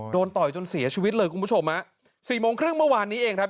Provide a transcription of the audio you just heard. ต่อยจนเสียชีวิตเลยคุณผู้ชมฮะสี่โมงครึ่งเมื่อวานนี้เองครับ